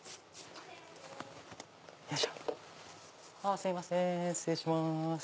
すいません失礼します。